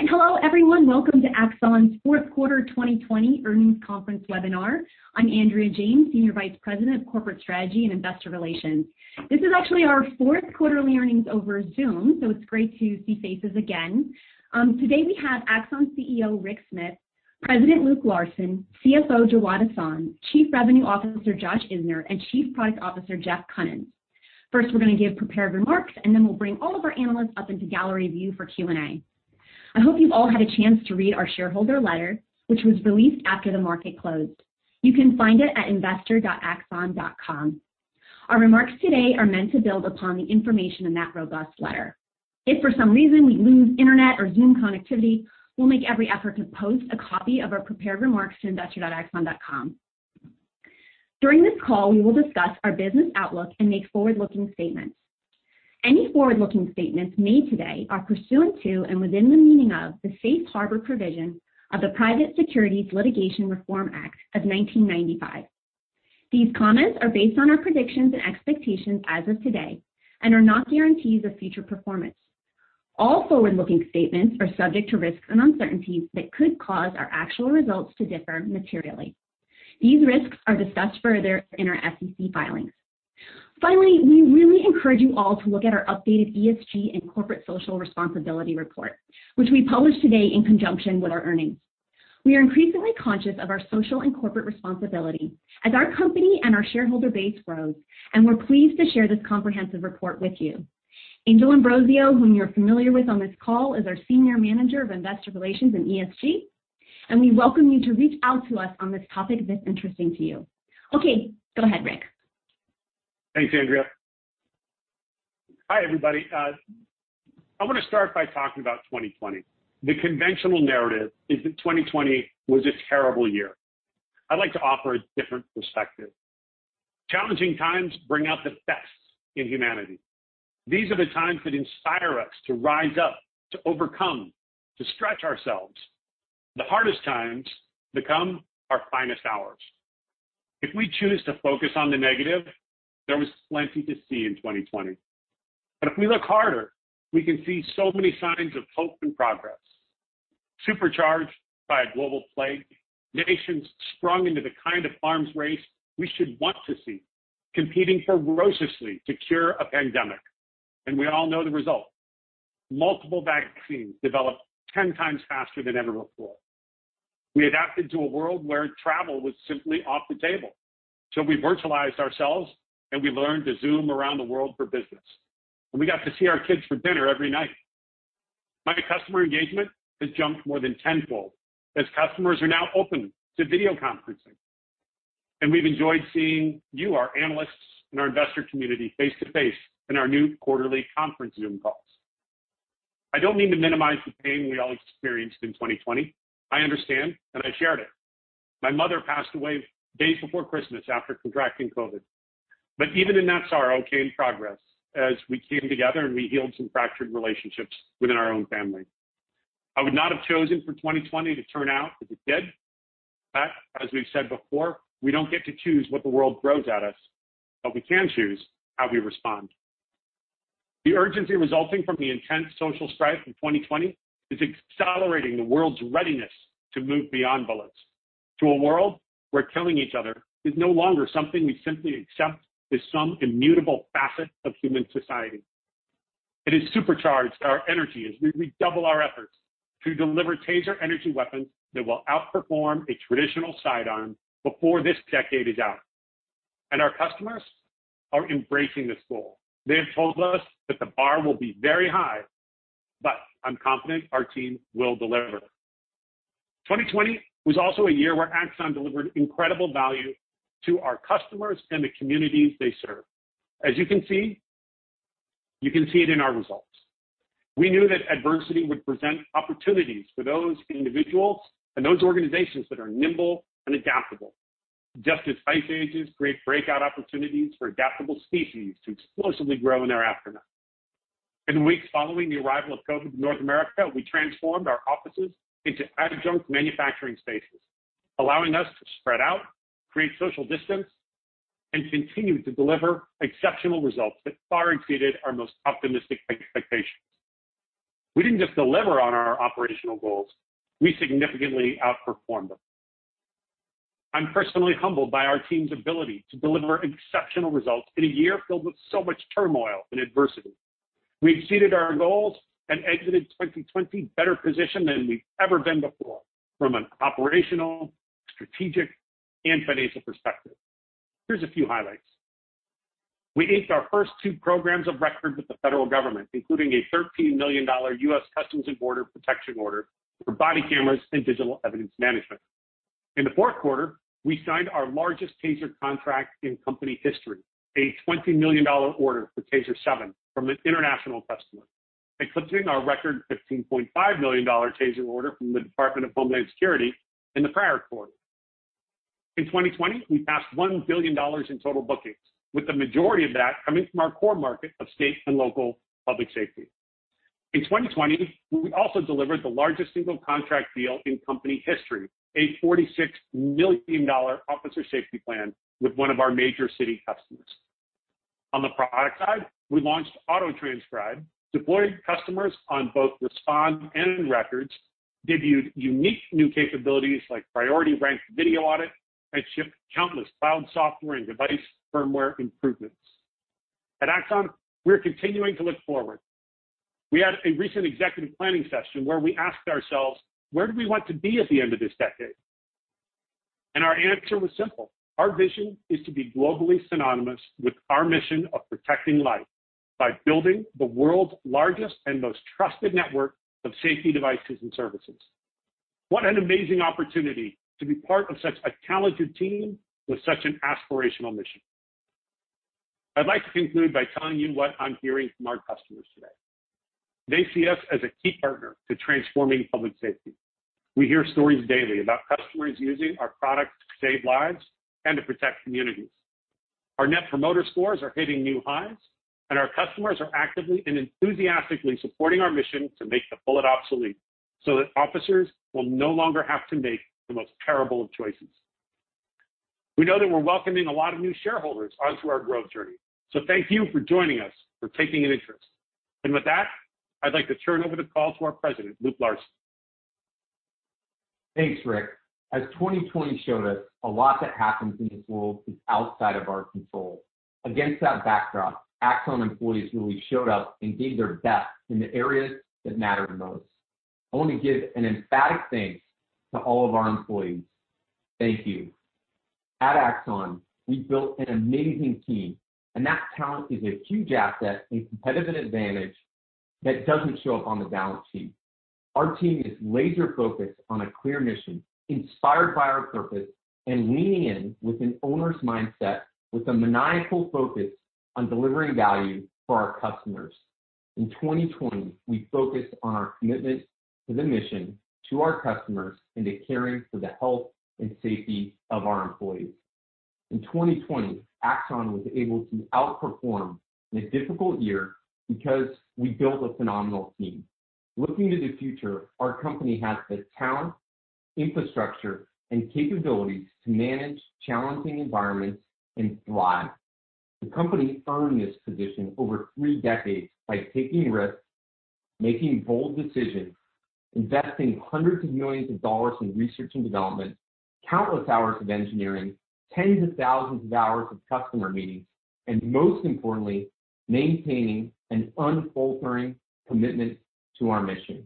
Great. Hello, everyone. Welcome to Axon's fourth quarter 2020 earnings conference webinar. I'm Andrea James, Senior Vice President of Corporate Strategy and Investor Relations. This is actually our fourth quarterly earnings over Zoom. It's great to see faces again. Today we have Axon CEO Rick Smith, President Luke Larson, CFO Jawad Ahsan, Chief Revenue Officer Josh Isner, and Chief Product Officer Jeff Kunins. First, we're going to give prepared remarks. Then we'll bring all of our analysts up into gallery view for Q&A. I hope you've all had a chance to read our shareholder letter, which was released after the market closed. You can find it at investor.axon.com. Our remarks today are meant to build upon the information in that robust letter. If for some reason we lose internet or Zoom connectivity, we'll make every effort to post a copy of our prepared remarks to investor.axon.com. During this call, we will discuss our business outlook and make forward-looking statements. Any forward-looking statements made today are pursuant to and within the meaning of the Safe Harbor provision of the Private Securities Litigation Reform Act of 1995. These comments are based on our predictions and expectations as of today and are not guarantees of future performance. All forward-looking statements are subject to risks and uncertainties that could cause our actual results to differ materially. These risks are discussed further in our SEC filings. Finally, we really encourage you all to look at our updated ESG and corporate social responsibility report, which we published today in conjunction with our earnings. We are increasingly conscious of our social and corporate responsibility as our company and our shareholder base grows, and we're pleased to share this comprehensive report with you. Angel Ambrosio, whom you're familiar with on this call, is our Senior Manager of Investor Relations and ESG, and we welcome you to reach out to us on this topic if it's interesting to you. Okay, go ahead, Rick. Thanks, Andrea. Hi, everybody. I want to start by talking about 2020. The conventional narrative is that 2020 was a terrible year. I'd like to offer a different perspective. Challenging times bring out the best in humanity. These are the times that inspire us to rise up, to overcome, to stretch ourselves. The hardest times become our finest hours. If we choose to focus on the negative, there was plenty to see in 2020. If we look harder, we can see so many signs of hope and progress. Supercharged by a global plague, nations sprung into the kind of arms race we should want to see, competing ferociously to cure a pandemic. We all know the result. Multiple vaccines developed 10 times faster than ever before. We adapted to a world where travel was simply off the table. We virtualized ourselves, and we learned to Zoom around the world for business. We got to see our kids for dinner every night. My customer engagement has jumped more than tenfold, as customers are now open to video conferencing. We've enjoyed seeing you, our analysts and our investor community, face-to-face in our new quarterly conference Zoom calls. I don't mean to minimize the pain we all experienced in 2020. I understand, and I shared it. My mother passed away days before Christmas after contracting COVID. Even in that sorrow came progress as we came together and we healed some fractured relationships within our own family. I would not have chosen for 2020 to turn out as it did. As we've said before, we don't get to choose what the world throws at us, but we can choose how we respond. The urgency resulting from the intense social strife of 2020 is accelerating the world's readiness to move beyond bullets to a world where killing each other is no longer something we simply accept as some immutable facet of human society. It has supercharged our energy as we redouble our efforts to deliver TASER energy weapons that will outperform a traditional sidearm before this decade is out, and our customers are embracing this goal. They have told us that the bar will be very high, but I'm confident our team will deliver. 2020 was also a year where Axon delivered incredible value to our customers and the communities they serve. As you can see it in our results. We knew that adversity would present opportunities for those individuals and those organizations that are nimble and adaptable. Just as ice ages create breakout opportunities for adaptable species to explosively grow in their aftermath. In the weeks following the arrival of COVID in North America, we transformed our offices into adjunct manufacturing spaces, allowing us to spread out, create social distance, and continue to deliver exceptional results that far exceeded our most optimistic expectations. We didn't just deliver on our operational goals. We significantly outperformed them. I'm personally humbled by our team's ability to deliver exceptional results in a year filled with so much turmoil and adversity. We exceeded our goals and exited 2020 better positioned than we've ever been before from an operational, strategic, and financial perspective. Here's a few highlights. We inked our first two programs of record with the federal government, including a $13 million U.S. Customs and Border Protection order for body cameras and digital evidence management. In the fourth quarter, we signed our largest TASER contract in company history, a $20 million order for TASER 7 from an international customer, eclipsing our record $15.5 million TASER order from the Department of Homeland Security in the prior quarter. In 2020, we passed $1 billion in total bookings, with the majority of that coming from our core market of state and local public safety. In 2020, we also delivered the largest single contract deal in company history, a $46 million officer safety plan with one of our major city customers. On the product side, we launched Auto-Transcribe, deployed customers on both Respond and Records, debuted unique new capabilities like Priority-Ranked Video Audit, and shipped countless cloud software and device firmware improvements. At Axon, we're continuing to look forward. We had a recent executive planning session where we asked ourselves: where do we want to be at the end of this decade? Our answer was simple. Our vision is to be globally synonymous with our mission of protecting life by building the world's largest and most trusted network of safety devices and services. What an amazing opportunity to be part of such a talented team with such an aspirational mission. I'd like to conclude by telling you what I'm hearing from our customers today. They see us as a key partner to transforming public safety. We hear stories daily about customers using our products to save lives and to protect communities. Our net promoter scores are hitting new highs, and our customers are actively and enthusiastically supporting our mission to make the bullet obsolete so that officers will no longer have to make the most terrible of choices. We know that we're welcoming a lot of new shareholders onto our growth journey. Thank you for joining us, for taking an interest. With that, I'd like to turn over the call to our president, Luke Larson. Thanks, Rick. As 2020 showed us, a lot that happens in this world is outside of our control. Against that backdrop, Axon employees really showed up and gave their best in the areas that matter the most. I want to give an emphatic thanks to all of our employees. Thank you. At Axon, we've built an amazing team, and that talent is a huge asset, a competitive advantage that doesn't show up on the balance sheet. Our team is laser-focused on a clear mission, inspired by our purpose, and leaning in with an owner's mindset with a maniacal focus on delivering value for our customers. In 2020, we focused on our commitment to the mission, to our customers, and to caring for the health and safety of our employees. In 2020, Axon was able to outperform in a difficult year because we built a phenomenal team. Looking to the future, our company has the talent, infrastructure, and capabilities to manage challenging environments and thrive. The company earned this position over 3 decades by taking risks, making bold decisions, investing hundreds of millions of dollars in research and development, countless hours of engineering, tens of thousands of hours of customer meetings, and most importantly, maintaining an unfaltering commitment to our mission.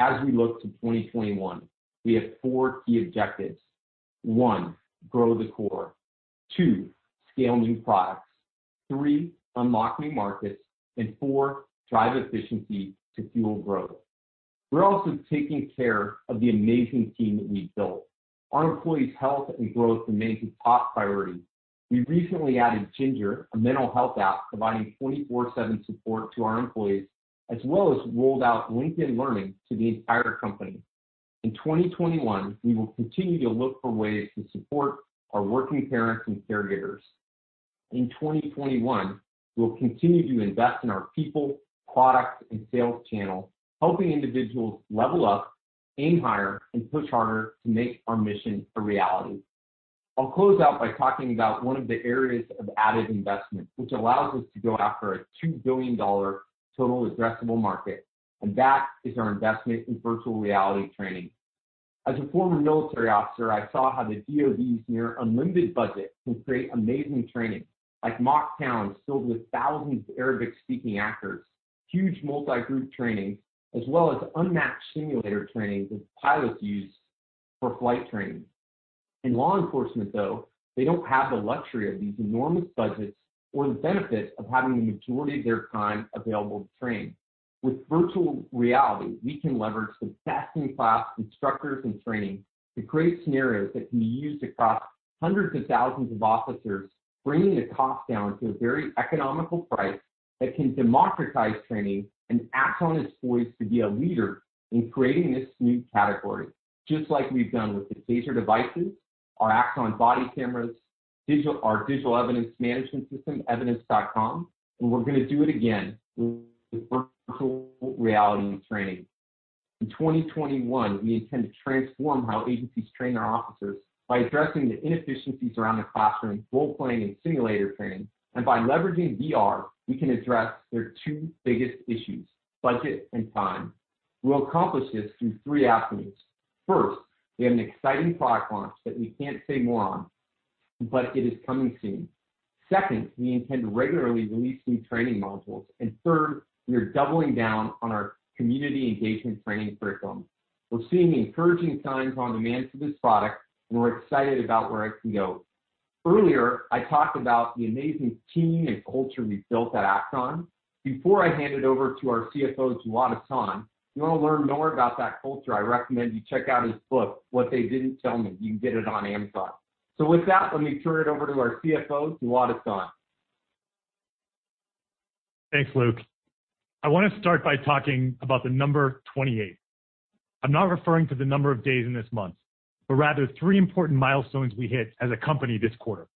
As we look to 2021, we have four key objectives. One, grow the core. Two, scale new products. Three, unlock new markets. Four, drive efficiency to fuel growth. We're also taking care of the amazing team that we've built. Our employees' health and growth remains a top priority. We recently added Ginger, a mental health app providing 24/7 support to our employees, as well as rolled out LinkedIn Learning to the entire company. In 2021, we will continue to look for ways to support our working parents and caregivers. In 2021, we will continue to invest in our people, products, and sales channels, helping individuals level up, aim higher, and push harder to make our mission a reality. I'll close out by talking about one of the areas of added investment, which allows us to go after a $2 billion total addressable market, and that is our investment in virtual reality training. As a former military officer, I saw how the DOD's near unlimited budget can create amazing training, like mock towns filled with thousands of Arabic-speaking actors, huge multi-group trainings, as well as unmatched simulator trainings that pilots use for flight training. In law enforcement, though, they don't have the luxury of these enormous budgets or the benefit of having the majority of their time available to train. With virtual reality, we can leverage best-in-class instructors and training to create scenarios that can be used across hundreds of thousands of officers, bringing the cost down to a very economical price that can democratize training, and Axon is poised to be a leader in creating this new category, just like we've done with the TASER devices, our Axon body cameras, our digital evidence management system, Evidence.com, and we're going to do it again with virtual reality training. In 2021, we intend to transform how agencies train their officers by addressing the inefficiencies around the classroom, role-playing, and simulator training, and by leveraging VR, we can address their two biggest issues, budget and time. We'll accomplish this through three avenues. First, we have an exciting product launch that we can't say more on, but it is coming soon. Second, we intend to regularly release new training modules. Third, we are doubling down on our community engagement training curriculum. We're seeing encouraging signs on demand for this product, and we're excited about where it can go. Earlier, I talked about the amazing team and culture we've built at Axon. Before I hand it over to our CFO, Jawad Ahsan, if you want to learn more about that culture, I recommend you check out his book, "What They Didn't Tell Me." You can get it on Amazon. With that, let me turn it over to our CFO, Jawad Ahsan. Thanks, Luke. I want to start by talking about the number 28. I'm not referring to the number of days in this month, but rather three important milestones we hit as a company this quarter.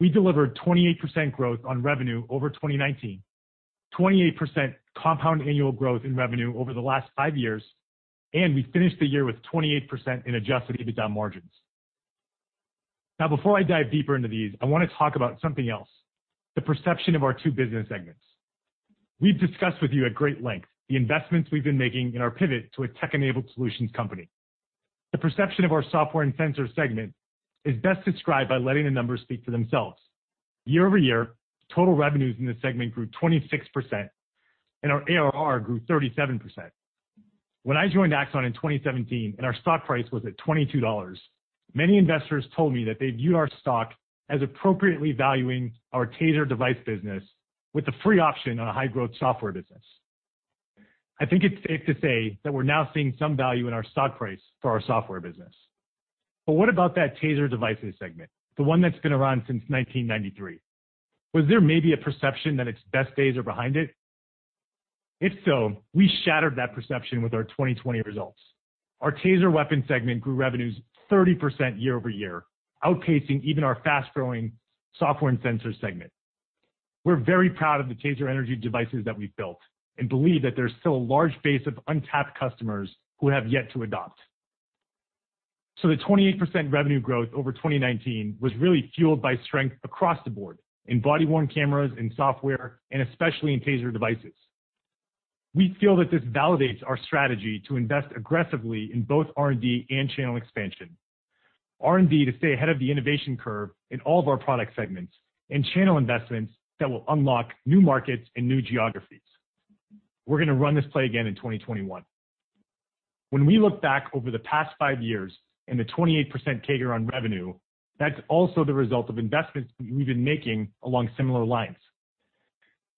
We delivered 28% growth on revenue over 2019, 28% compound annual growth in revenue over the last five years, and we finished the year with 28% in adjusted EBITDA margins. Before I dive deeper into these, I want to talk about something else, the perception of our two business segments. We've discussed with you at great length the investments we've been making in our pivot to a tech-enabled solutions company. The perception of our software and sensor segment is best described by letting the numbers speak for themselves. Year-over-year, total revenues in this segment grew 26%, and our ARR grew 37%. When I joined Axon in 2017 and our stock price was at $22, many investors told me that they viewed our stock as appropriately valuing our TASER device business with a free option on a high-growth software business. I think it's safe to say that we're now seeing some value in our stock price for our software business. What about that TASER devices segment, the one that's been around since 1993? Was there maybe a perception that its best days are behind it? If so, we shattered that perception with our 2020 results. Our TASER weapon segment grew revenues 30% year-over-year, outpacing even our fast-growing software and sensor segment. We're very proud of the TASER energy devices that we've built and believe that there's still a large base of untapped customers who have yet to adopt. The 28% revenue growth over 2019 was really fueled by strength across the board in body-worn cameras, in software, and especially in TASER devices. We feel that this validates our strategy to invest aggressively in both R&D and channel expansion. R&D to stay ahead of the innovation curve in all of our product segments, and channel investments that will unlock new markets and new geographies. We're going to run this play again in 2021. We look back over the past five years and the 28% CAGR on revenue, that's also the result of investments we've been making along similar lines.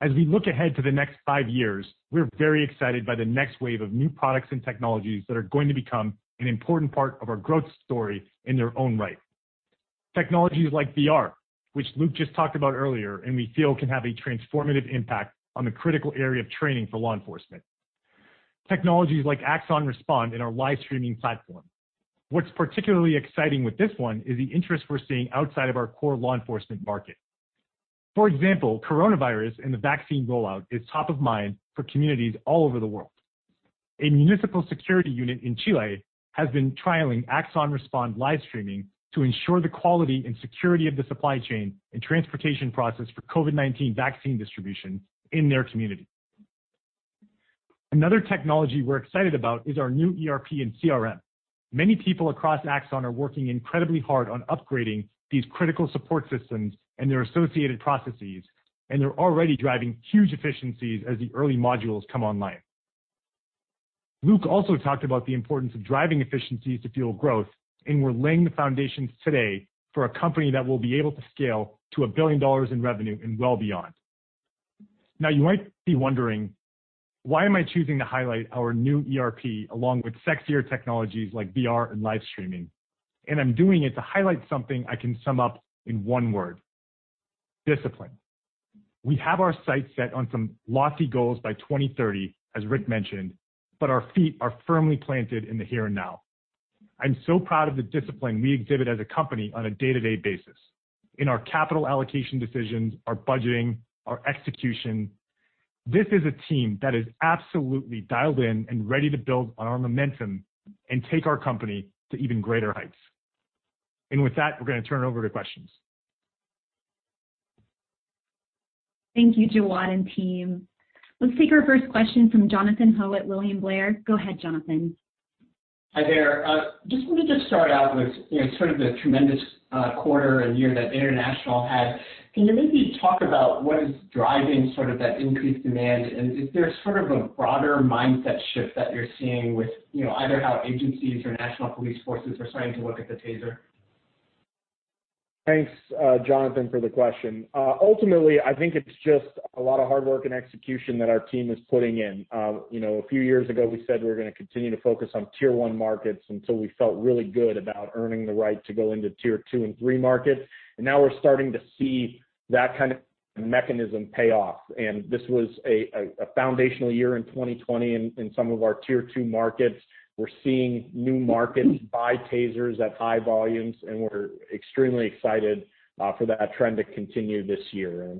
As we look ahead to the next five years, we're very excited by the next wave of new products and technologies that are going to become an important part of our growth story in their own right. Technologies like VR, which Luke just talked about earlier, and we feel can have a transformative impact on the critical area of training for law enforcement. Technologies like Axon Respond and our live streaming platform. What's particularly exciting with this one is the interest we're seeing outside of our core law enforcement market. For example, coronavirus and the vaccine rollout is top of mind for communities all over the world. A municipal security unit in Chile has been trialing Axon Respond live streaming to ensure the quality and security of the supply chain and transportation process for COVID-19 vaccine distribution in their community. Another technology we're excited about is our new ERP and CRM. Many people across Axon are working incredibly hard on upgrading these critical support systems and their associated processes, and they're already driving huge efficiencies as the early modules come online. Luke also talked about the importance of driving efficiencies to fuel growth. We're laying the foundations today for a company that will be able to scale to $1 billion in revenue and well beyond. You might be wondering, why am I choosing to highlight our new ERP along with sexier technologies like VR and live streaming? I'm doing it to highlight something I can sum up in one word, discipline. We have our sights set on some lofty goals by 2030, as Rick mentioned. Our feet are firmly planted in the here and now. I'm so proud of the discipline we exhibit as a company on a day-to-day basis in our capital allocation decisions, our budgeting, our execution. This is a team that is absolutely dialed in and ready to build on our momentum and take our company to even greater heights. With that, we're going to turn it over to questions. Thank you, Jawad and team. Let's take our first question from Jonathan Ho at William Blair. Go ahead, Jonathan. Hi there. Just wanted to start out with sort of the tremendous quarter and year that international had. Can you maybe talk about what is driving sort of that increased demand? Is there sort of a broader mindset shift that you're seeing with either how agencies or national police forces are starting to look at the TASER? Thanks, Jonathan, for the question. Ultimately, I think it's just a lot of hard work and execution that our team is putting in. A few years ago, we said we were going to continue to focus on tier 1 markets until we felt really good about earning the right to go into tier 2 and 3 markets. Now we're starting to see that kind of mechanism pay off. This was a foundational year in 2020 in some of our tier 2 markets. We're seeing new markets buy TASERs at high volumes, and we're extremely excited for that trend to continue this year.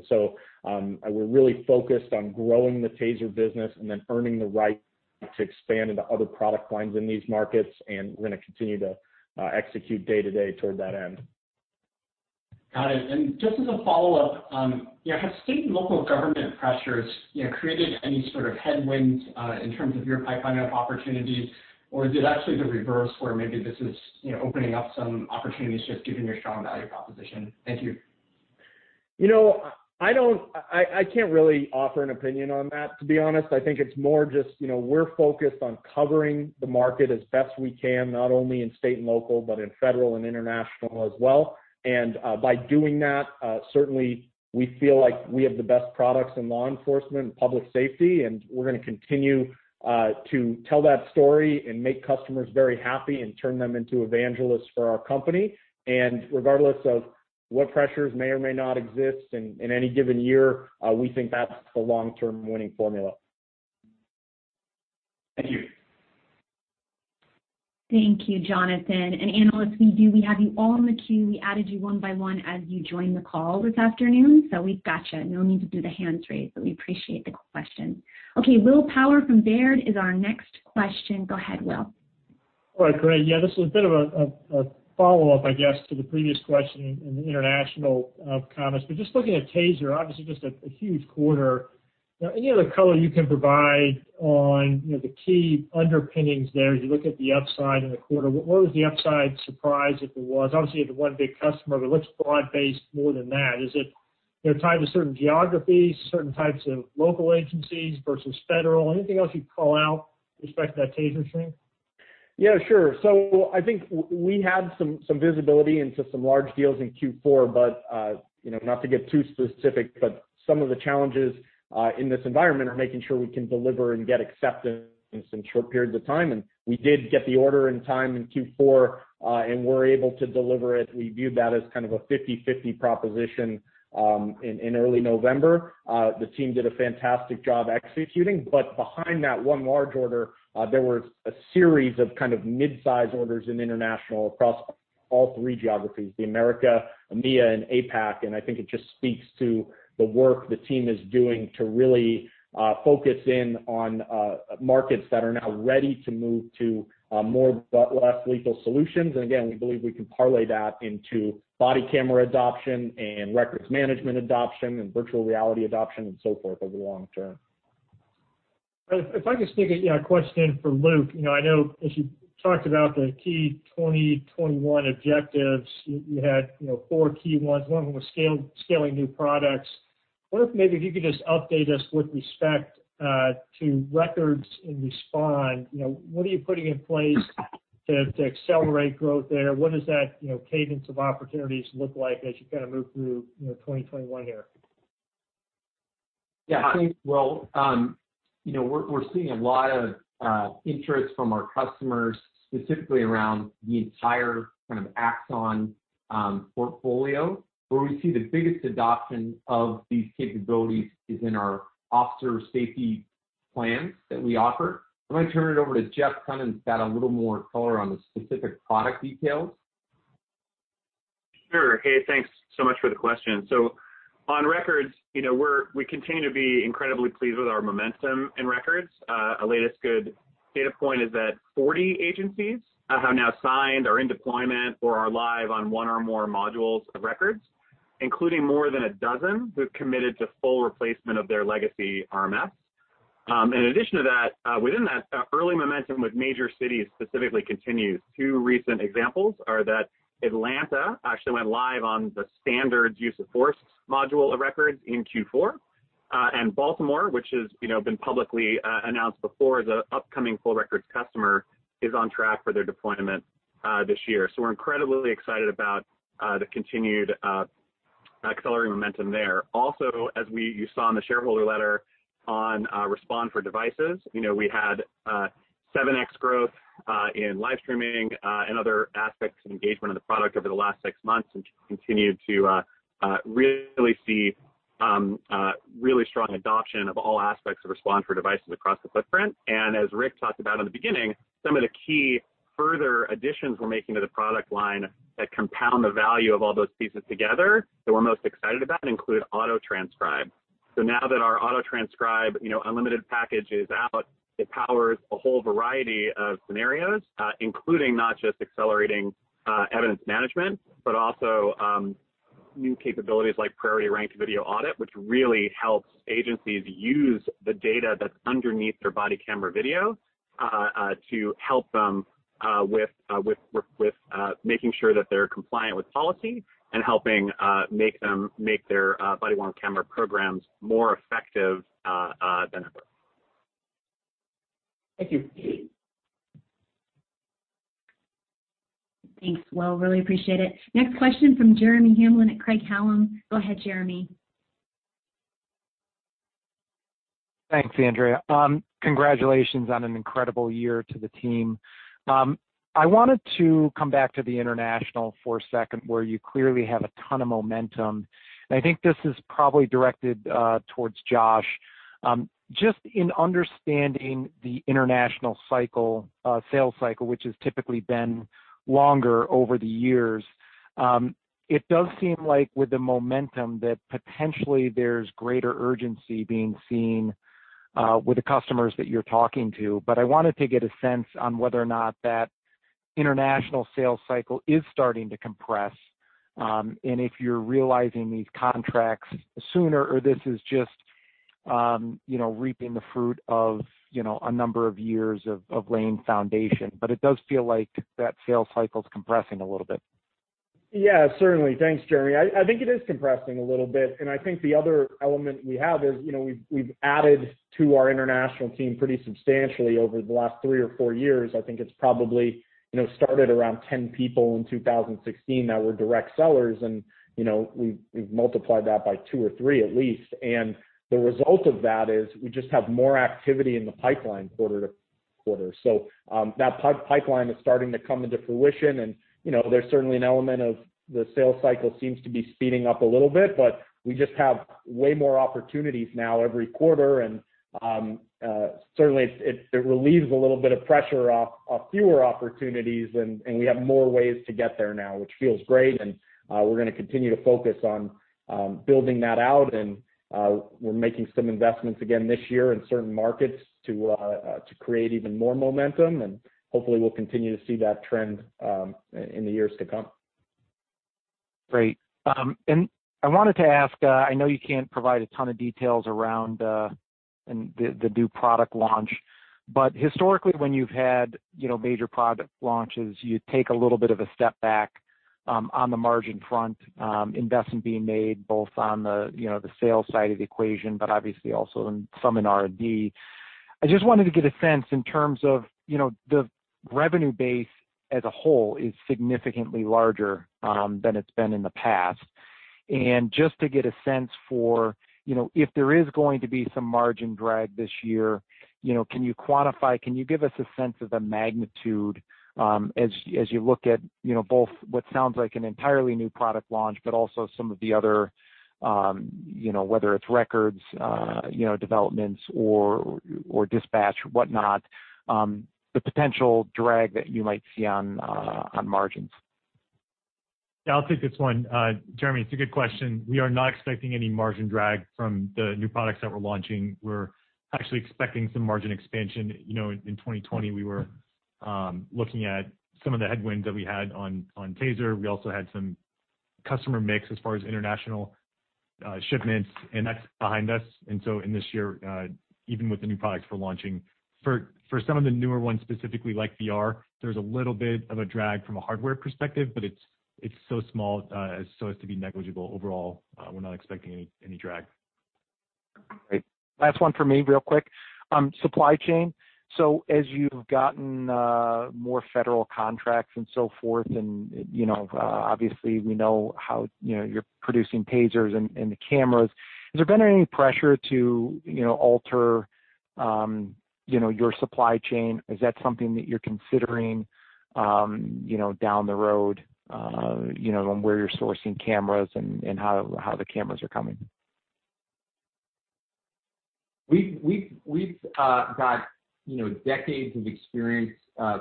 We're really focused on growing the TASER business and then earning the right to expand into other product lines in these markets, and we're going to continue to execute day to day toward that end. Got it. Just as a follow-up, have state and local government pressures created any sort of headwinds in terms of your pipeline of opportunities? Is it actually the reverse where maybe this is opening up some opportunities just given your strong value proposition? Thank you. I can't really offer an opinion on that, to be honest. I think it's more just we're focused on covering the market as best we can, not only in state and local, but in federal and international as well. By doing that, certainly we feel like we have the best products in law enforcement and public safety, and we're going to continue to tell that story and make customers very happy and turn them into evangelists for our company. Regardless of what pressures may or may not exist in any given year, we think that's the long-term winning formula. Thank you. Thank you, Jonathan. Analysts, we have you all in the queue. We added you one by one as you joined the call this afternoon, we've got you. No need to do the hands raise, we appreciate the question. Okay, William Power from Baird is our next question. Go ahead, Will. All right, great. This is a bit of a follow-up, I guess, to the previous question in the international comments. Just looking at TASER, obviously just a huge quarter. Any other color you can provide on the key underpinnings there as you look at the upside in the quarter. What was the upside surprise, if there was? Obviously, you had the one big customer, it looks broad-based more than that. Is it tied to certain geographies, certain types of local agencies versus federal? Anything else you'd call out with respect to that TASER stream? Yeah, sure. I think we had some visibility into some large deals in Q4, but not to get too specific, but some of the challenges in this environment are making sure we can deliver and get acceptance in short periods of time. We did get the order in time in Q4, and were able to deliver it. We viewed that as kind of a 50/50 proposition in early November. The team did a fantastic job executing, behind that one large order, there were a series of mid-size orders in international across all three geographies, the Americas, EMEA, and APAC. I think it just speaks to the work the team is doing to really focus in on markets that are now ready to move to more but less lethal solutions. Again, we believe we can parlay that into body camera adoption and records management adoption and virtual reality adoption and so forth over the long term. If I could sneak a question in for Luke. I know as you talked about the key 2021 objectives, you had four key ones. One was scaling new products. I wonder if maybe if you could just update us with respect to Records and Respond. What are you putting in place to accelerate growth there? What does that cadence of opportunities look like as you kind of move through 2021 here? Yeah. I think, Will, we're seeing a lot of interest from our customers, specifically around the entire kind of Axon portfolio. Where we see the biggest adoption of these capabilities is in our officer safety plans that we offer. I'm going to turn it over to Jeff, who kind of has got a little more color on the specific product details. Sure. Hey, thanks so much for the question. On Records, we continue to be incredibly pleased with our momentum in Records. Our latest good data point is that 40 agencies have now signed, are in deployment, or are live on one or more modules of Records, including more than a dozen who have committed to full replacement of their legacy RMS. In addition to that, within that, early momentum with major cities specifically continues. Two recent examples are that Atlanta actually went live on the standards use of force module of Records in Q4. Baltimore, which has been publicly announced before as an upcoming full Records customer, is on track for their deployment this year. We're incredibly excited about the continued accelerating momentum there. As you saw in the shareholder letter on Respond for devices, we had 7X growth in live streaming and other aspects of engagement of the product over the last six months, and continued to really see really strong adoption of all aspects of Respond for devices across the footprint. As Rick talked about in the beginning, some of the key further additions we're making to the product line that compound the value of all those pieces together that we're most excited about include Auto-Transcribe. Now that our Auto-Transcribe unlimited package is out, it powers a whole variety of scenarios, including not just accelerating evidence management, but also new capabilities like Priority-Ranked Video Audit, which really helps agencies use the data that's underneath their body camera video, to help them with making sure that they're compliant with policy and helping make their body-worn camera programs more effective than ever. Thank you. Thanks, Will, really appreciate it. Next question from Jeremy Hamblin at Craig-Hallum. Go ahead, Jeremy. Thanks, Andrea. Congratulations on an incredible year to the team. I wanted to come back to the international for a second, where you clearly have a ton of momentum. I think this is probably directed towards Josh. Just in understanding the international sales cycle, which has typically been longer over the years. It does seem like with the momentum, that potentially there's greater urgency being seen with the customers that you're talking to. I wanted to get a sense on whether or not that international sales cycle is starting to compress, and if you're realizing these contracts sooner, or this is just reaping the fruit of a number of years of laying foundation. It does feel like that sales cycle is compressing a little bit. Yeah, certainly. Thanks, Jeremy. I think it is compressing a little bit. I think the other element we have is we've added to our international team pretty substantially over the last three or four years. I think it's probably started around 10 people in 2016 that were direct sellers. We've multiplied that by two or three at least. The result of that is we just have more activity in the pipeline quarter-to-quarter. That pipeline is starting to come into fruition. There's certainly an element of the sales cycle seems to be speeding up a little bit. We just have way more opportunities now every quarter. Certainly it relieves a little bit of pressure off fewer opportunities and we have more ways to get there now, which feels great. We're going to continue to focus on building that out. We're making some investments again this year in certain markets to create even more momentum. Hopefully we'll continue to see that trend in the years to come. Great. I wanted to ask, I know you can't provide a ton of details around the new product launch, but historically when you've had major product launches, you take a little bit of a step back on the margin front, investment being made both on the sales side of the equation, but obviously also some in R&D. I just wanted to get a sense in terms of the revenue base as a whole is significantly larger than it's been in the past. Just to get a sense for if there is going to be some margin drag this year, can you quantify, can you give us a sense of the magnitude as you look at both what sounds like an entirely new product launch, but also some of the other, whether it's Records developments or Dispatch whatnot, the potential drag that you might see on margins? Yeah, I'll take this one. Jeremy, it's a good question. We are not expecting any margin drag from the new products that we're launching. We're actually expecting some margin expansion. In 2020, we were looking at some of the headwinds that we had on TASER. We also had some customer mix as far as international shipments, and that's behind us. In this year, even with the new products we're launching, for some of the newer ones specifically like VR, there's a little bit of a drag from a hardware perspective, but it's so small so as to be negligible overall. We're not expecting any drag. Great. Last one for me real quick. Supply chain. As you've gotten more federal contracts and so forth, and obviously we know how you're producing TASERs and the cameras, has there been any pressure to alter your supply chain? Is that something that you're considering down the road, on where you're sourcing cameras and how the cameras are coming? We've got decades of experience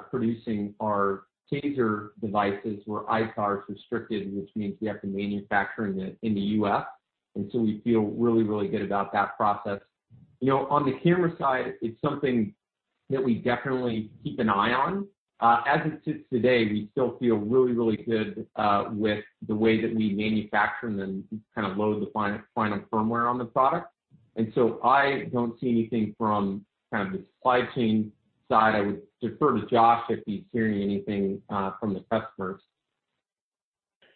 producing our TASER devices where ITAR is restricted, which means we have to manufacture them in the U.S., and so we feel really, really good about that process. On the camera side, it's something that we definitely keep an eye on. As it sits today, we still feel really, really good with the way that we manufacture them and load the final firmware on the product. I don't see anything from the supply chain side. I would defer to Josh if he's hearing anything from the customers.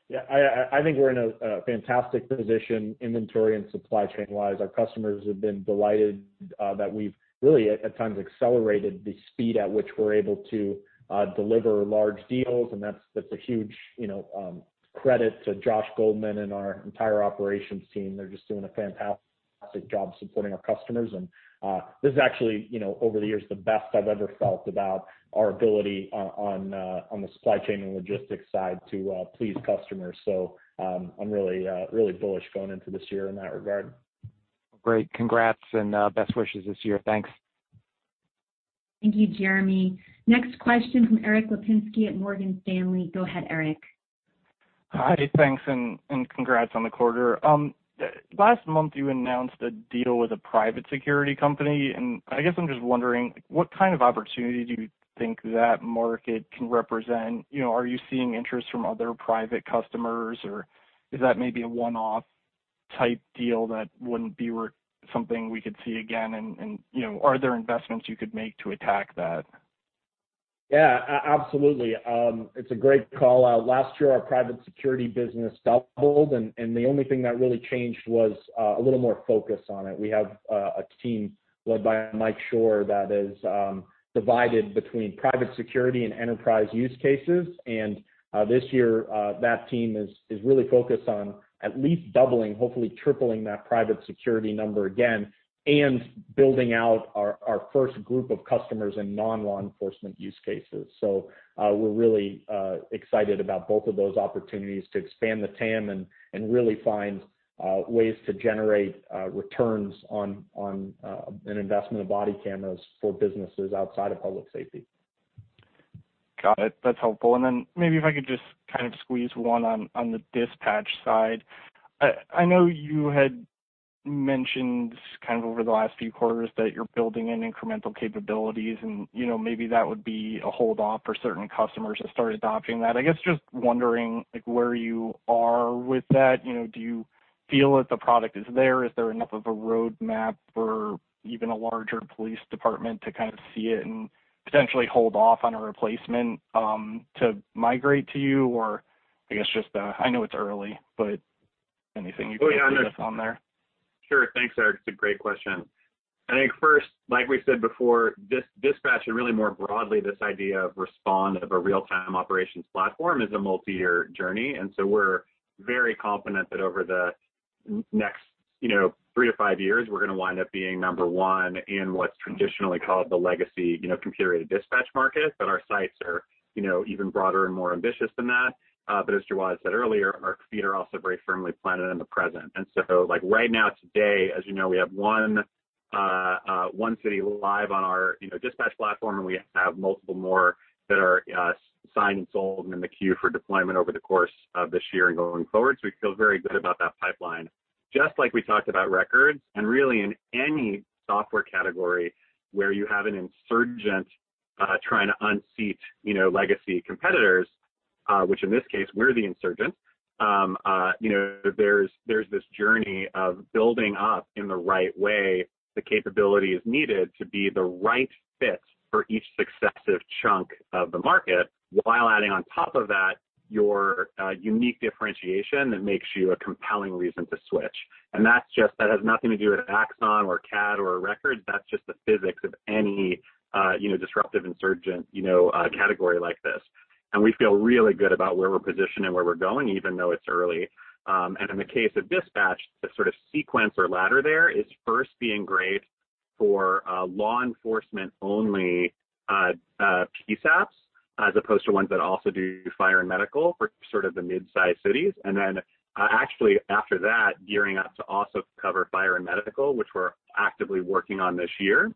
Yeah, I think we're in a fantastic position inventory and supply chain wise. Our customers have been delighted that we've really, at times, accelerated the speed at which we're able to deliver large deals, and that's a huge credit to Josh Goldman and our entire operations team. They're just doing a fantastic job supporting our customers. This is actually, over the years, the best I've ever felt about our ability on the supply chain and logistics side to please customers. I'm really bullish going into this year in that regard. Great. Congrats and best wishes this year. Thanks. Thank you, Jeremy. Next question from Erik Lapinski at Morgan Stanley. Go ahead, Erik. Hi. Thanks, congrats on the quarter. Last month you announced a deal with a private security company, and I guess I'm just wondering, what kind of opportunity do you think that market can represent? Are you seeing interest from other private customers, or is that maybe a one-off type deal that wouldn't be something we could see again? Are there investments you could make to attack that? Yeah, absolutely. It's a great call-out. Last year, our private security business doubled, and the only thing that really changed was a little more focus on it. We have a team led by Mike Shore that is divided between private security and enterprise use cases. This year, that team is really focused on at least doubling, hopefully tripling that private security number again, and building out our first group of customers in non-law enforcement use cases. We're really excited about both of those opportunities to expand the TAM and really find ways to generate returns on an investment of body cameras for businesses outside of public safety. Got it. That's helpful. Maybe if I could just kind of squeeze one on the Dispatch side? I know you had mentioned kind of over the last few quarters that you're building in incremental capabilities, maybe that would be a hold off for certain customers that started adopting that. I guess just wondering where you are with that. Do you feel that the product is there? Is there enough of a roadmap for even a larger police department to kind of see it and potentially hold off on a replacement to migrate to you, or I guess just, I know it's early, but anything you can give us on there? Sure. Thanks, Erik. It's a great question. I think first, like we said before, this Dispatch and really more broadly, this idea of Respond of a real-time operations platform is a multi-year journey. We're very confident that over the Next three to five years, we're going to wind up being number 1 in what's traditionally called the legacy computer-aided dispatch market. Our sights are even broader and more ambitious than that. As Jawad said earlier, our feet are also very firmly planted in the present. Right now, today, as you know, we have one city live on our dispatch platform, and we have multiple more that are signed and sold and in the queue for deployment over the course of this year and going forward. We feel very good about that pipeline. Just like we talked about records, really in any software category where you have an insurgent trying to unseat legacy competitors, which in this case, we're the insurgents, there's this journey of building up in the right way the capabilities needed to be the right fit for each successive chunk of the market, while adding on top of that your unique differentiation that makes you a compelling reason to switch. That has nothing to do with Axon or CAD or records. That's just the physics of any disruptive insurgent category like this. We feel really good about where we're positioned and where we're going, even though it's early. In the case of dispatch, the sort of sequence or ladder there is first being great for law enforcement-only PSAPs, as opposed to ones that also do fire and medical for sort of the mid-size cities. Actually after that, gearing up to also cover fire and medical, which we're actively working on this year.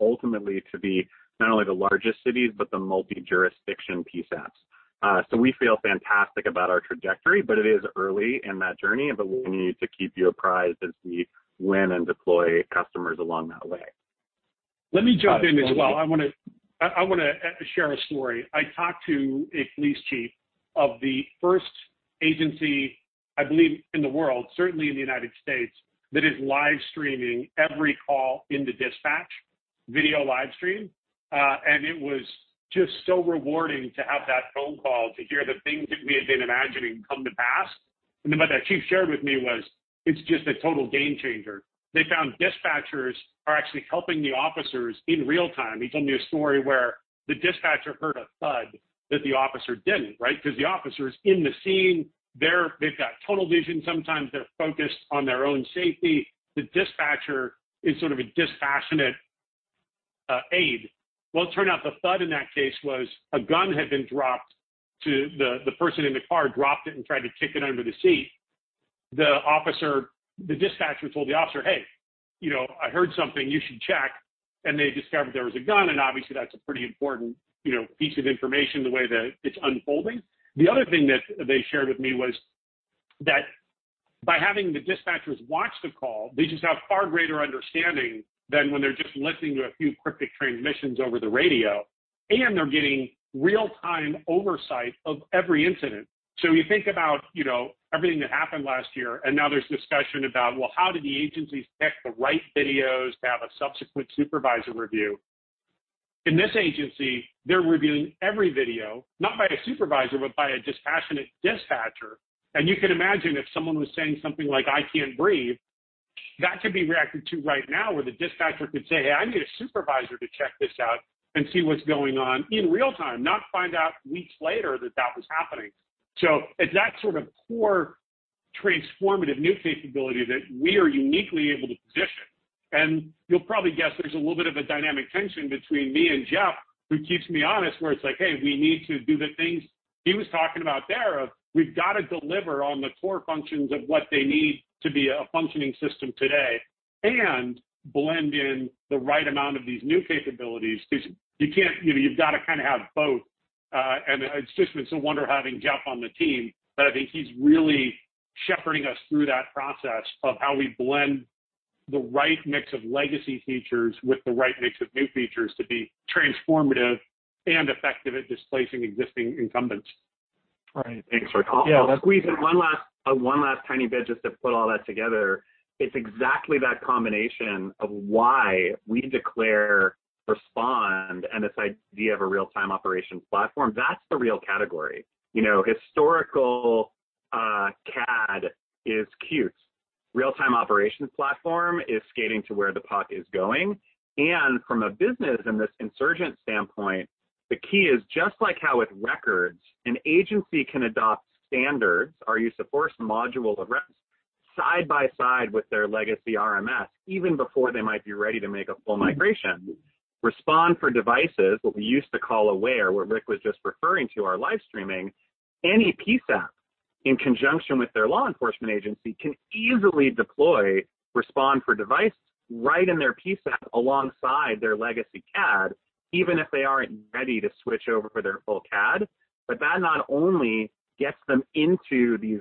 Ultimately to be not only the largest cities, but the multi-jurisdiction PSAPs. We feel fantastic about our trajectory, but it is early in that journey. We'll need to keep you apprised as we win and deploy customers along that way. Let me jump in as well. I want to share a story. I talked to a police chief of the first agency, I believe, in the world, certainly in the U.S., that is live streaming every call into dispatch, video live stream. It was just so rewarding to have that phone call to hear the things that we had been imagining come to pass. What that chief shared with me was, it's just a total game changer. They found dispatchers are actually helping the officers in real time. He told me a story where the dispatcher heard a thud that the officer didn't, right? Because the officer's in the scene. They've got tunnel vision sometimes. They're focused on their own safety. The dispatcher is sort of a dispassionate aid. Well, it turned out the thud in that case was a gun had been dropped. The person in the car dropped it and tried to kick it under the seat. The dispatcher told the officer, "Hey, I heard something. You should check." They discovered there was a gun, and obviously that's a pretty important piece of information the way that it's unfolding. The other thing that they shared with me was that by having the dispatchers watch the call, they just have far greater understanding than when they're just listening to a few cryptic transmissions over the radio, and they're getting real-time oversight of every incident. You think about everything that happened last year, and now there's discussion about, well, how do the agencies pick the right videos to have a subsequent supervisor review? In this agency, they're reviewing every video, not by a supervisor, but by a dispassionate dispatcher. You can imagine if someone was saying something like, "I can't breathe," that could be reacted to right now, where the dispatcher could say, "Hey, I need a supervisor to check this out and see what's going on," in real time, not find out weeks later that that was happening. It's that sort of core transformative new capability that we are uniquely able to position. You'll probably guess there's a little bit of a dynamic tension between me and Jeff, who keeps me honest, where it's like, "Hey, we need to do the things he was talking about there, of we've got to deliver on the core functions of what they need to be a functioning system today and blend in the right amount of these new capabilities." You've got to kind of have both. It's just been so wonderful having Jeff on the team, but I think he's really shepherding us through that process of how we blend the right mix of legacy features with the right mix of new features to be transformative and effective at displacing existing incumbents. Right. Thanks, Rick. Yeah. I'll squeeze in one last tiny bit just to put all that together. It's exactly that combination of why we declare Respond and this idea of a real-time operations platform. That's the real category. Historical CAD is cute. Real-time operations platform is skating to where the puck is going. From a business and this insurgent standpoint, the key is just like how with Records, an agency can adopt standards, our use of force module of Records, side by side with their legacy RMS even before they might be ready to make a full migration. Respond for devices, what we used to call Aware, what Rick was just referring to, our live streaming, any PSAP in conjunction with their law enforcement agency can easily deploy Respond for device right in their PSAP alongside their legacy CAD, even if they aren't ready to switch over for their full CAD. That not only gets them into these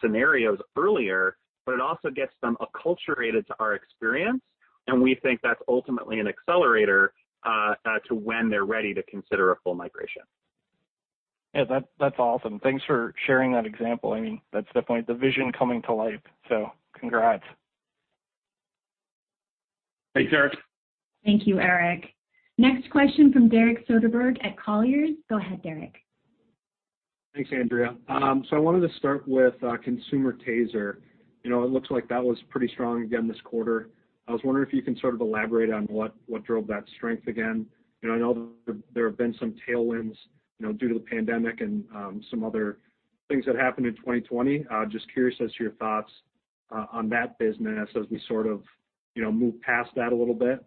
scenarios earlier, but it also gets them acculturated to our experience, and we think that's ultimately an accelerator to when they're ready to consider a full migration. Yeah, that's awesome. Thanks for sharing that example. That's definitely the vision coming to life. Congrats. Thanks, Erik. Thank you, Erik. Next question from Derek Soderberg at Colliers. Go ahead, Derek. Thanks, Andrea. I wanted to start with consumer TASER. It looks like that was pretty strong again this quarter. I was wondering if you can sort of elaborate on what drove that strength again. I know there have been some tailwinds due to the pandemic and some other things that happened in 2020. Just curious as to your thoughts on that business as we sort of move past that a little bit.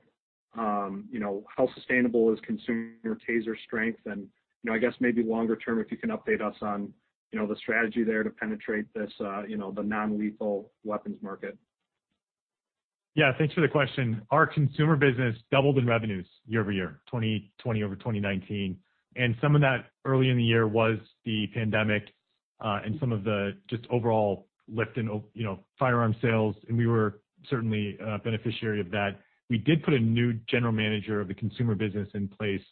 How sustainable is consumer TASER strength? I guess maybe longer term, if yo u can update us on the strategy there to penetrate the non-lethal weapons market. Yeah. Thanks for the question. Our consumer business doubled in revenues year-over-year, 2020 over 2019. Some of that early in the year was the pandemic, and some of the just overall lift in firearm sales, and we were certainly a beneficiary of that. We did put a new general manager of the consumer business in place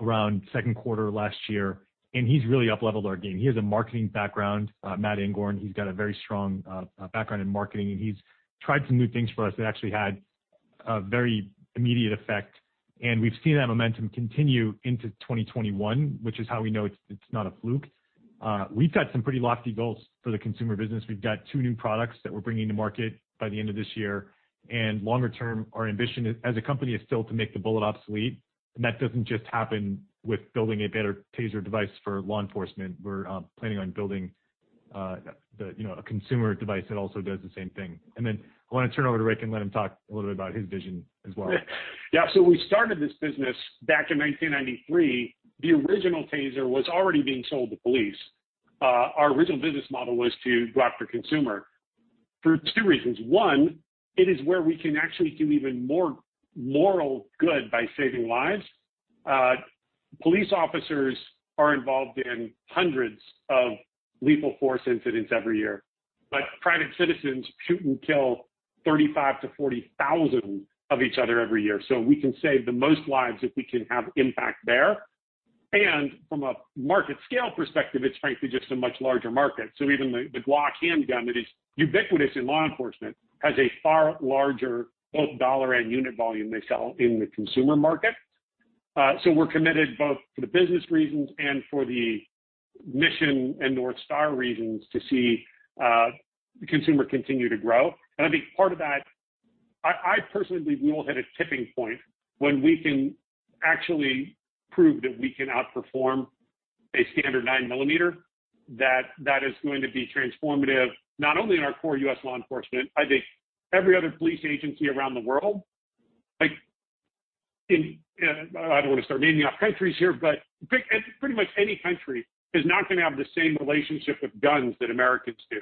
around second quarter last year, and he's really up-leveled our game. He has a marketing background, Matt Angorn. He's got a very strong background in marketing, and he's tried some new things for us that actually had a very immediate effect. We've seen that momentum continue into 2021, which is how we know it's not a fluke. We've got some pretty lofty goals for the consumer business. We've got two new products that we're bringing to market by the end of this year. Longer term, our ambition as a company is still to make the bullet obsolete. That doesn't just happen with building a better TASER device for law enforcement. We're planning on building a consumer device that also does the same thing. I want to turn it over to Rick and let him talk a little bit about his vision as well. We started this business back in 1993. The original TASER was already being sold to police. Our original business model was to go after consumer for two reasons. One, it is where we can actually do even more moral good by saving lives. Police officers are involved in hundreds of lethal force incidents every year. Private citizens shoot and kill 35 to 40,000 of each other every year. We can save the most lives if we can have impact there. From a market scale perspective, it's frankly just a much larger market. Even the Glock handgun that is ubiquitous in law enforcement has a far larger both dollar and unit volume they sell in the consumer market. We're committed both for the business reasons and for the mission and North Star reasons to see consumer continue to grow. I think part of that, I personally believe we will hit a tipping point when we can actually prove that we can outperform a standard nine millimeter, that that is going to be transformative not only in our core U.S. law enforcement, I think every other police agency around the world. I don't want to start naming off countries here, but pretty much any country is not going to have the same relationship with guns that Americans do.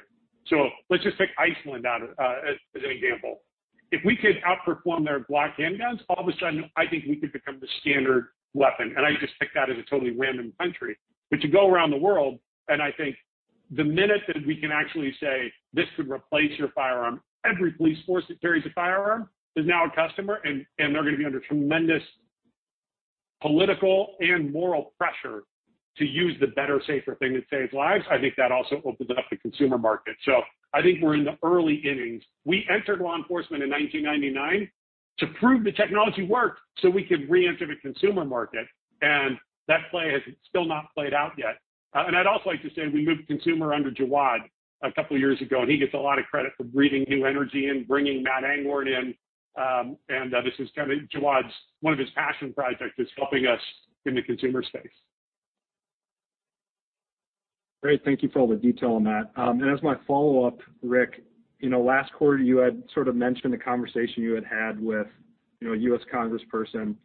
Let's just take Iceland as an example. If we could outperform their Glock handguns, all of a sudden, I think we could become the standard weapon. I just picked that as a totally random country. You go around the world, I think the minute that we can actually say, "This could replace your firearm," every police force that carries a firearm is now a customer, and they're going to be under tremendous political and moral pressure to use the better, safer thing that saves lives. I think that also opens up the consumer market. I think we're in the early innings. We entered law enforcement in 1999 to prove the technology worked so we could re-enter the consumer market, that play has still not played out yet. I'd also like to say we moved consumer under Jawad a couple of years ago, he gets a lot of credit for breathing new energy in, bringing Matt Angorn in. Jawad's, one of his passion projects is helping us in the consumer space. Great. Thank you for all the detail on that. As my follow-up, Rick, last quarter, you had sort of mentioned the conversation you had had with a U.S. congressperson.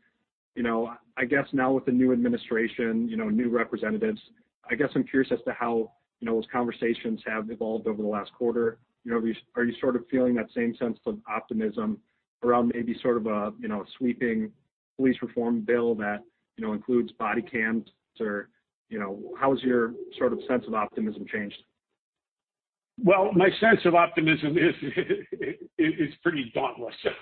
I guess now with the new administration, new representatives, I guess I'm curious as to how those conversations have evolved over the last quarter. Are you sort of feeling that same sense of optimism around maybe sort of a sweeping police reform bill that includes body cams? Or how has your sort of sense of optimism changed? My sense of optimism is pretty dauntless. If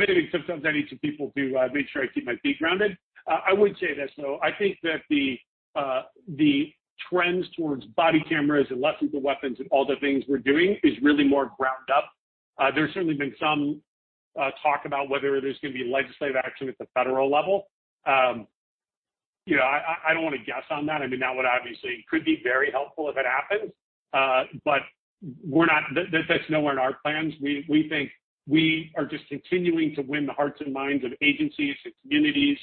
anything, sometimes I need some people to make sure I keep my feet grounded. I would say this, though. I think that the trends towards body cameras and less lethal weapons and all the things we're doing is really more ground up. There's certainly been some talk about whether there's going to be legislative action at the federal level. I don't want to guess on that. I mean, that would obviously could be very helpful if it happens. That's nowhere in our plans. We think we are just continuing to win the hearts and minds of agencies and communities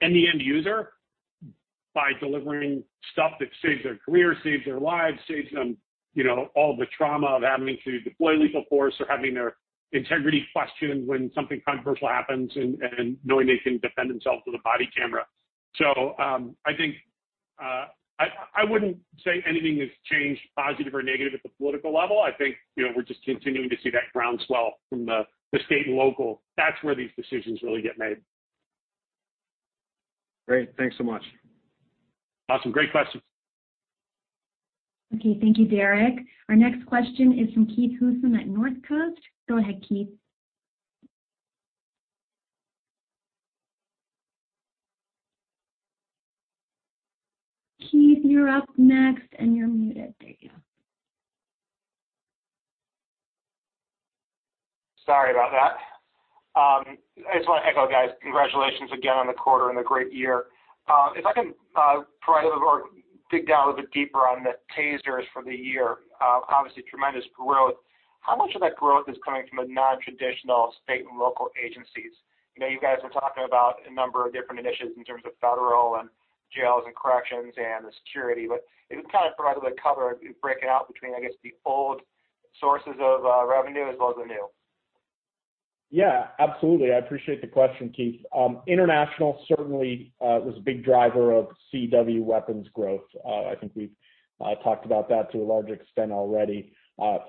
and the end user by delivering stuff that saves their career, saves their lives, saves them all the trauma of having to deploy lethal force or having their integrity questioned when something controversial happens and knowing they can defend themselves with a body camera. I wouldn't say anything has changed positive or negative at the political level. I think we're just continuing to see that ground swell from the state and local. That's where these decisions really get made. Great. Thanks so much. Awesome. Great question. Okay. Thank you, Derek. Our next question is from Keith Housum at Northcoast Research. Go ahead, Keith. Keith, you're up next, and you're muted. There you go. Sorry about that. I just want to echo, guys, congratulations again on the quarter and the great year. If I can dig down a little bit deeper on the TASERs for the year. Obviously, tremendous growth. How much of that growth is coming from the nontraditional state and local agencies? I know you guys have been talking about a number of different initiatives in terms of federal and jails and corrections and the security, but if you can kind of provide a little color, break it out between, I guess, the old sources of revenue as well as the new. Yeah, absolutely. I appreciate the question, Keith. International certainly was a big driver of CEW weapons growth. I think we've talked about that to a large extent already.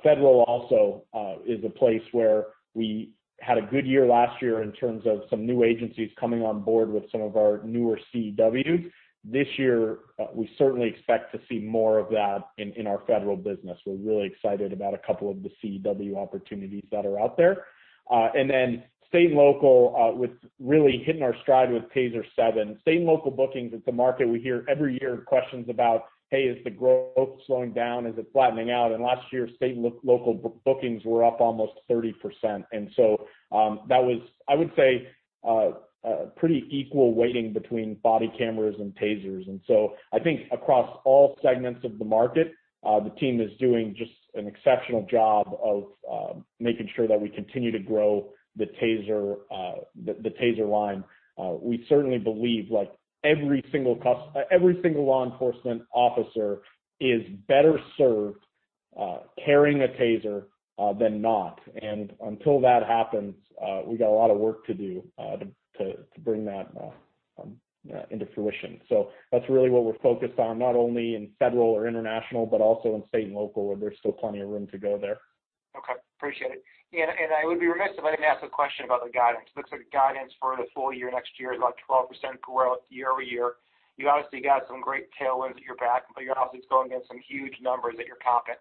Federal also is a place where we had a good year last year in terms of some new agencies coming on board with some of our newer CEW. This year, we certainly expect to see more of that in our federal business. We're really excited about a couple of the CEW opportunities that are out there. Then state and local, with really hitting our stride with TASER 7. State and local bookings, it's a market we hear every year questions about, "Hey, is the growth slowing down? Is it flattening out?" Last year, state and local bookings were up almost 30%. So, that was, I would say, a pretty equal weighting between body cameras and TASERs. I think across all segments of the market, the team is doing just an exceptional job of making sure that we continue to grow the TASER line. We certainly believe every single law enforcement officer is better served carrying a TASER than not. Until that happens, we've got a lot of work to do to bring that into fruition. That's really what we're focused on, not only in federal or international, but also in state and local, where there's still plenty of room to go there. Okay. Appreciate it. I would be remiss if I didn't ask a question about the guidance. It looks like the guidance for the full year next year is about 12% growth year-over-year. You obviously got some great tailwinds at your back, but you're also going against some huge numbers that you're topping.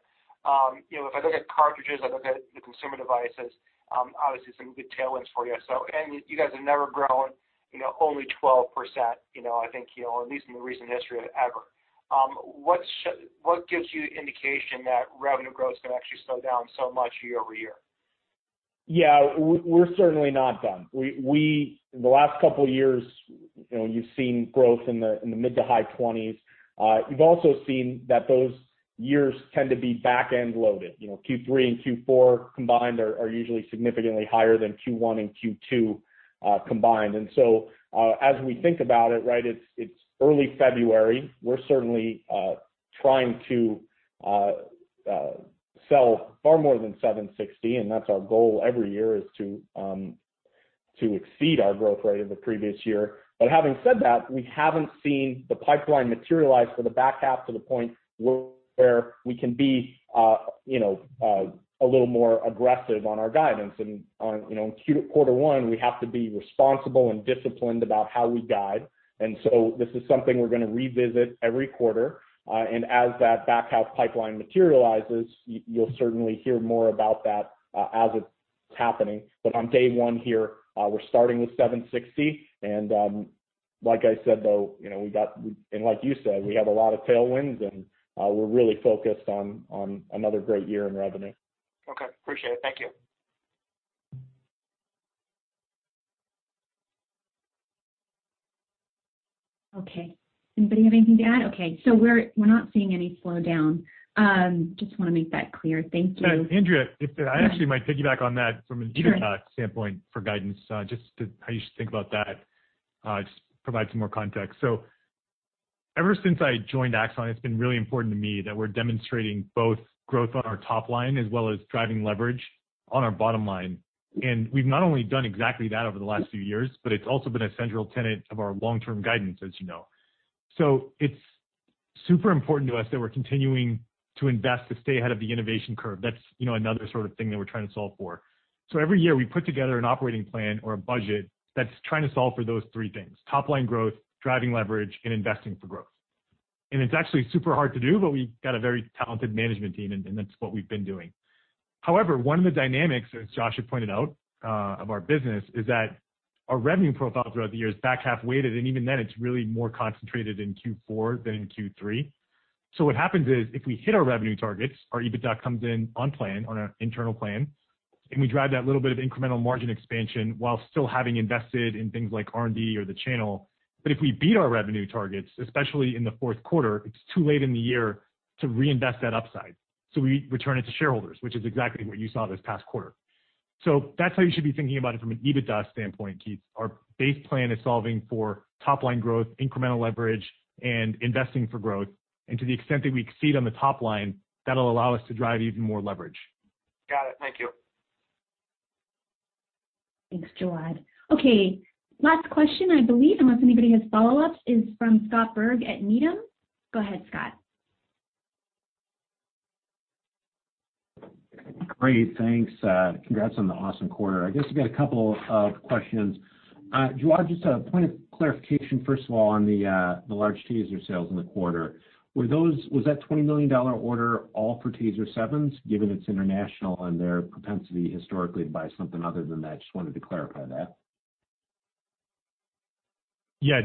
If I look at cartridges, I look at the consumer devices, obviously some good tailwinds for you. You guys have never grown only 12%, I think at least in the recent history ever. What gives you indication that revenue growth is going to actually slow down so much year-over-year? Yeah. We're certainly not done. We, in the last couple of years, you've seen growth in the mid-to-high 20s. You've also seen that those years tend to be back-end loaded. Q3 and Q4 combined are usually significantly higher than Q1 and Q2 combined. As we think about it, right, it's early February, we're certainly trying to sell far more than 760, and that's our goal every year is to exceed our growth rate of the previous year. Having said that, we haven't seen the pipeline materialize for the back half to the point where we can be a little more aggressive on our guidance. On quarter one, we have to be responsible and disciplined about how we guide. This is something we're going to revisit every quarter. As that back half pipeline materializes, you'll certainly hear more about that as it's happening. On day one here, we're starting with 760, and like I said, though, like you said, we have a lot of tailwinds, and we're really focused on another great year in revenue. Okay. Appreciate it. Thank you. Okay. Anybody have anything to add? Okay, we're not seeing any slowdown. Just want to make that clear. Thank you. Andrea, if I actually might piggyback on that from an EBITDA standpoint for guidance, just to how you should think about that, just provide some more context. Ever since I joined Axon, it's been really important to me that we're demonstrating both growth on our top line as well as driving leverage on our bottom line, and we've not only done exactly that over the last few years, but it's also been a central tenet of our long-term guidance, as you know. It's super important to us that we're continuing to invest to stay ahead of the innovation curve. That's another sort of thing that we're trying to solve for. Every year we put together an operating plan or a budget that's trying to solve for those three things, top-line growth, driving leverage, and investing for growth. It's actually super hard to do, but we've got a very talented management team, and that's what we've been doing. However, one of the dynamics, as Josh had pointed out, of our business is that our revenue profile throughout the year is back half-weighted, and even then it's really more concentrated in Q4 than in Q3. What happens is, if we hit our revenue targets, our EBITDA comes in on plan, on our internal plan, and we drive that little bit of incremental margin expansion while still having invested in things like R&D or the channel. If we beat our revenue targets, especially in the fourth quarter, it's too late in the year to reinvest that upside, so we return it to shareholders, which is exactly what you saw this past quarter. That's how you should be thinking about it from an EBITDA standpoint, Keith. Our base plan is solving for top-line growth, incremental leverage, and investing for growth. To the extent that we exceed on the top line, that'll allow us to drive even more leverage. Got it. Thank you. Thanks, Jawad. Okay, last question, I believe, unless anybody has follow-ups, is from Scott Berg at Needham. Go ahead, Scott. Great, thanks. Congrats on the awesome quarter. I guess I've got a couple of questions. Jawad, just a point of clarification, first of all, on the large TASER sales in the quarter. Was that $20 million order all for TASER 7s, given it's international and their propensity historically to buy something other than that? Just wanted to clarify that. Yeah.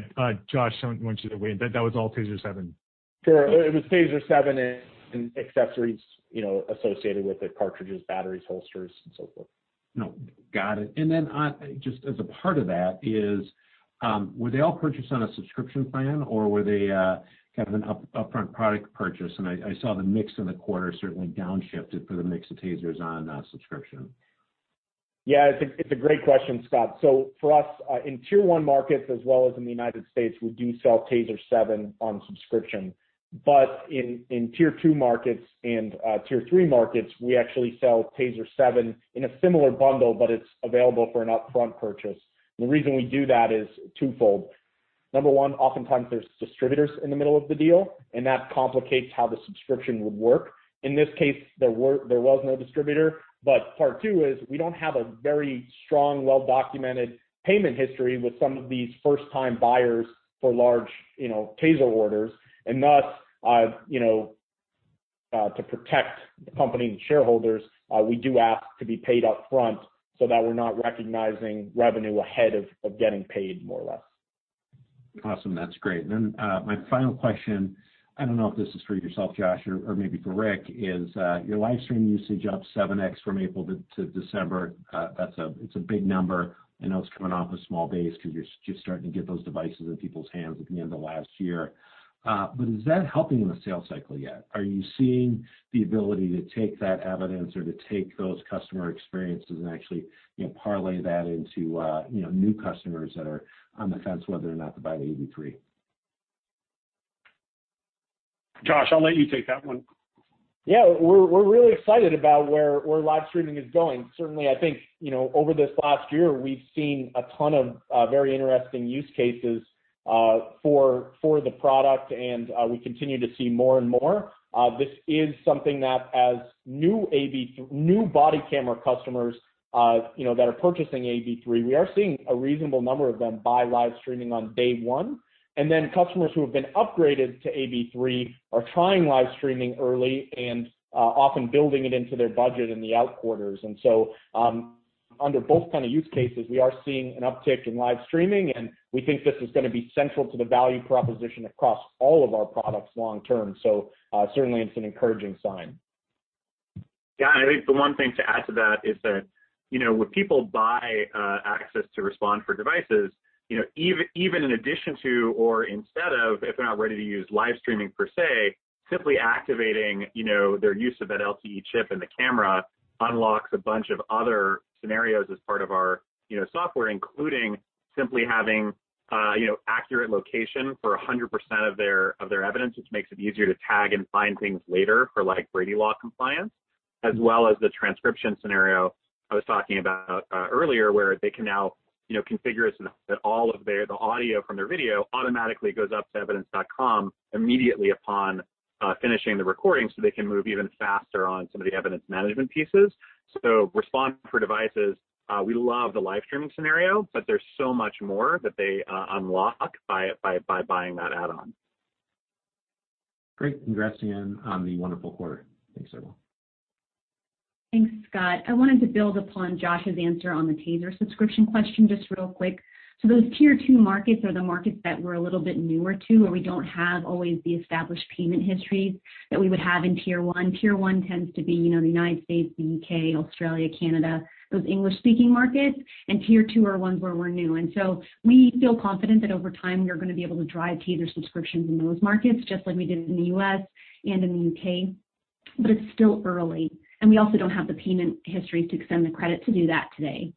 Josh, why don't you weigh in? That was all TASER 7. Sure. It was TASER 7 and accessories associated with it, cartridges, batteries, holsters, and so forth. No. Got it. Just as a part of that is, were they all purchased on a subscription plan, or were they kind of an upfront product purchase? I saw the mix in the quarter certainly downshifted for the mix of TASERs on a subscription. Yeah, it's a great question, Scott. For us, in tier 1 markets as well as in the United States, we do sell TASER 7 on subscription. In tier 2 markets and tier 3 markets, we actually sell TASER 7 in a similar bundle, but it's available for an upfront purchase. The reason we do that is twofold. Number one, oftentimes there's distributors in the middle of the deal, and that complicates how the subscription would work. In this case, there was no distributor. Part two is we don't have a very strong, well-documented payment history with some of these first-time buyers for large TASER orders. Thus, to protect the company and shareholders, we do ask to be paid up front so that we're not recognizing revenue ahead of getting paid, more or less. Awesome. That's great. My final question, I don't know if this is for yourself, Josh, or maybe for Rick, is your livestream usage up 7X from April to December. It's a big number. I know it's coming off a small base because you're just starting to get those devices in people's hands at the end of last year. Is that helping the sales cycle yet? Are you seeing the ability to take that evidence or to take those customer experiences and actually, parlay that into new customers that are on the fence whether or not to buy the AB3? Josh, I'll let you take that one. We're really excited about where live streaming is going. Certainly, I think, over this last year, we've seen a ton of very interesting use cases for the product, and we continue to see more and more. This is something that as new body camera customers that are purchasing AB3, we are seeing a reasonable number of them buy live streaming on day one. Customers who have been upgraded to AB3 are trying live streaming early and often building it into their budget in the out quarters. Under both kind of use cases, we are seeing an uptick in live streaming, and we think this is going to be central to the value proposition across all of our products long term. Certainly it's an encouraging sign. I think the one thing to add to that is that when people buy access to Respond for devices, even in addition to or instead of, if they're not ready to use live streaming per se, simply activating their use of that LTE chip in the camera unlocks a bunch of other scenarios as part of our software, including simply having accurate location for 100% of their evidence, which makes it easier to tag and find things later for Brady Law compliance, as well as the transcription scenario I was talking about earlier. They can now configure it so that all of the audio from their video automatically goes up to Evidence.com immediately upon finishing the recording, so they can move even faster on some of the evidence management pieces. Respond for Devices, we love the live streaming scenario, but there's so much more that they unlock by buying that add-on. Great. Congrats again on the wonderful quarter. Thanks, everyone. Thanks, Scott. I wanted to build upon Josh's answer on the TASER subscription question just real quick. Those tier 2 markets are the markets that we're a little bit newer to, where we don't have always the established payment histories that we would have in tier 1. Tier 1 tends to be the United States, the U.K., Australia, Canada, those English-speaking markets. Tier 2 are ones where we're new. We feel confident that over time, we are going to be able to drive TASER subscriptions in those markets just like we did in the U.S. and in the U.K., but it's still early, and we also don't have the payment histories to extend the credit to do that today.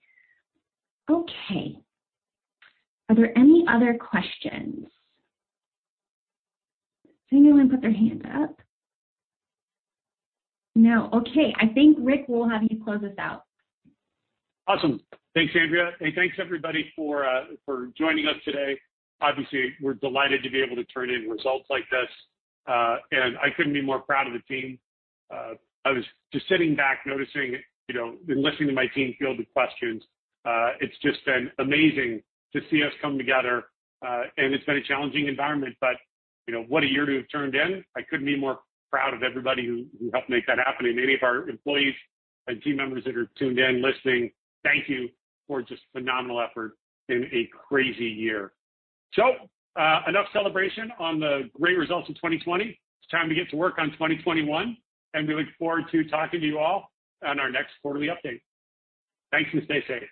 Okay. Are there any other questions? Does anyone put their hand up? No. Okay. I think, Rick, we'll have you close us out. Awesome. Thanks, Andrea, thanks, everybody, for joining us today. Obviously, we're delighted to be able to turn in results like this. I couldn't be more proud of the team. I was just sitting back noticing, listening to my team field the questions. It's just been amazing to see us come together. It's been a challenging environment, what a year to have turned in. I couldn't be more proud of everybody who helped make that happen. Any of our employees and team members that are tuned in listening, thank you for just phenomenal effort in a crazy year. Enough celebration on the great results of 2020. It's time to get to work on 2021, we look forward to talking to you all on our next quarterly update. Thanks, stay safe.